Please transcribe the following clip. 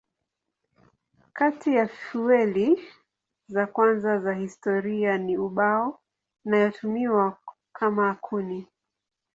Kati ya fueli za kwanza za historia ni ubao inayotumiwa kama kuni.